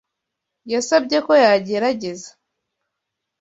Yasabye ko yagerageza.